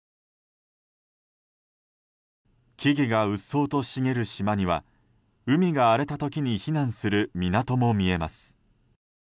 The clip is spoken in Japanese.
木々がうっそうと茂る島には海が荒れた時に避難する港も見えます。